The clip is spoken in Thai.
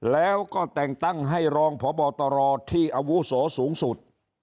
แล้วก็แต่งตั้งให้รองพบตรที่อาวุโสสูงสุด